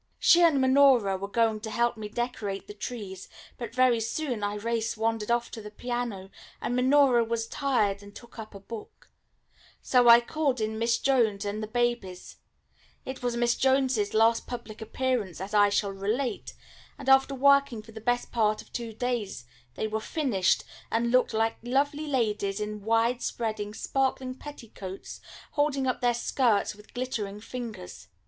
She and Minora were going to help me decorate the trees, but very soon Irais wandered off to the piano, and Minora was tired and took up a book; so I called in Miss Jones and the babies it was Miss Jones's last public appearance, as I shall relate and after working for the best part of two days they were finished, and looked like lovely ladies in widespreading, sparkling petticoats, holding up their skirts with glittering fingers.